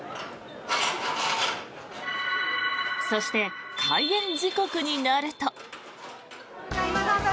そして、開園時刻になると。